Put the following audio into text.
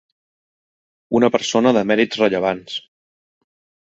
Una persona de mèrits rellevants.